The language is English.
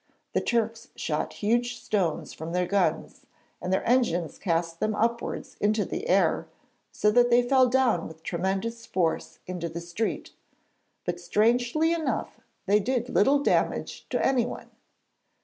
The Turks shot huge stones from their guns, and their engines cast them upwards into the air, so that they fell down with tremendous force into the street, but strangely enough they did little damage to anyone.